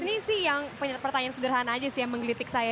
ini sih yang pertanyaan sederhana aja sih yang menggelitik saya